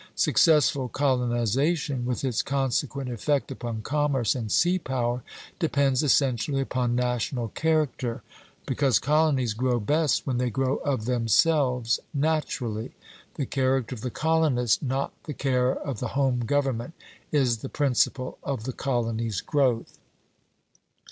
Successful colonization, with its consequent effect upon commerce and sea power, depends essentially upon national character; because colonies grow best when they grow of themselves, naturally. The character of the colonist, not the care of the home government, is the principle of the colony's growth.